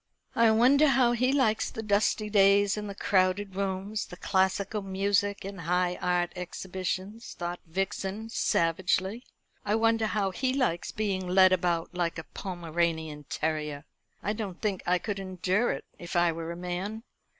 "I wonder how he likes the dusty days, and the crowded rooms, the classical music, and high art exhibitions?" thought Vixen savagely. "I wonder how he likes being led about like a Pomeranian terrier? I don't think I could endure it if I were a man.